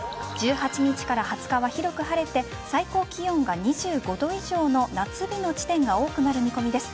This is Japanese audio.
１８日から２０日は広く晴れて最高気温が２５度以上の夏日の地点が多くなる見込みです。